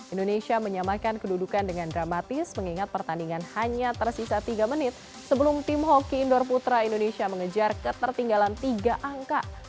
indonesia menyamakan kedudukan dengan dramatis mengingat pertandingan hanya tersisa tiga menit sebelum tim hockey indoor putra indonesia mengejar ketertinggalan tiga angka